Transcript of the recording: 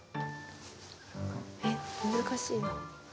えっ難しいな。